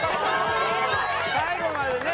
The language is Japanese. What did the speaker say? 最後までね